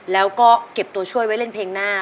แล้วก็เก็บตัวช่วยไว้เล่นเพลงหน้า